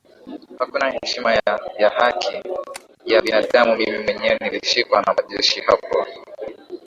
hakuna heshima ya ya haki ya binadamu mimi mwenyewe nilishikwa na majeshi hapo